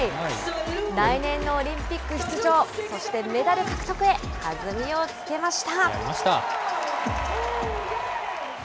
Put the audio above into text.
来年のオリンピック出場、そしてメダル獲得へ弾みをつけました。